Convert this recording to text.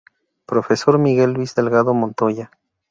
Profesor Miguel Luis Delgado Montoya.